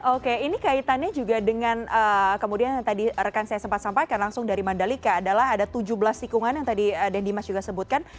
oke ini kaitannya juga dengan kemudian yang tadi rekan saya sempat sampaikan langsung dari mandalika adalah ada tujuh belas tikungan yang tadi dendimas juga sebutkan